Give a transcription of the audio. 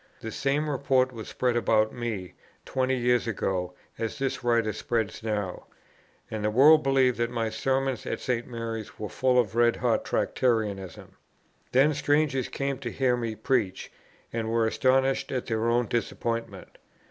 The same report was spread about me twenty years ago as this writer spreads now, and the world believed that my Sermons at St. Mary's were full of red hot Tractarianism. Then strangers came to hear me preach, and were astonished at their own disappointment.